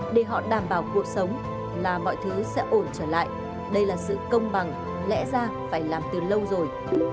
để họ đảm bảo cuộc sống là mọi thứ sẽ ổn trở lại đây là sự công bằng lẽ ra phải làm từ lâu rồi